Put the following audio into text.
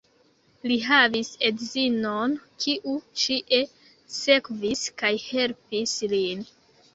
Li havis edzinon, kiu ĉie sekvis kaj helpis lin.